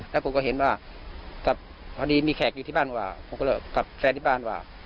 แล้วผมก็เห็นว่ากลับพอดีมีแขกอยู่ที่บ้านว่าผมก็เลยกับแฟนที่บ้านว่า